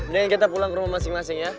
kita pulang ke rumah masing masing ya